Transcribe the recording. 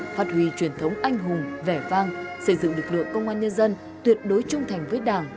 phát huy truyền thống anh hùng vẻ vang xây dựng lực lượng công an nhân dân tuyệt đối trung thành với đảng